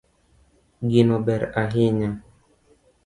Gino ber ahinya